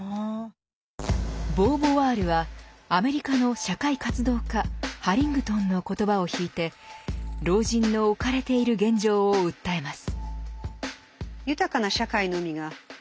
ボーヴォワールはアメリカの社会活動家ハリングトンの言葉を引いて老人の置かれている現状を訴えます。